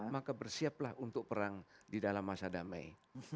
maka bersiaplah untuk perang di dalam masa damai